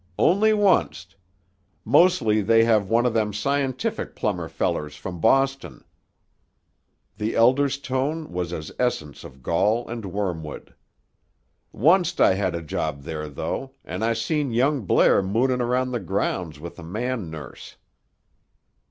"Only wunst. Mostly they have one o' them scientific plumber fellers from Boston." The Elder's tone was as essence of gall and wormwood. "Wunst I had a job there, though, an' I seen young Blair moonin' around the grounds with a man nurse."